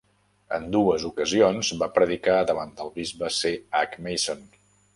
En dues ocasions, va predicar davant el bisbe C. H. Mason.